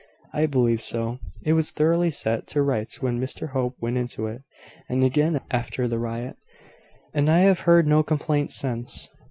"I believe so. It was thoroughly set to rights when Mr Hope went into it, and again after the riot; and I have heard no complaint since."